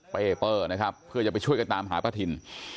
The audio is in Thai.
เป้เปอร์นะครับเพื่อจะไปช่วยกันตามหาป้าทิน